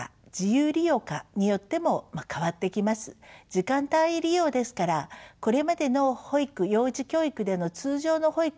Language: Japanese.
時間単位利用ですからこれまでの保育幼児教育での通常の保育とは違うものとなります。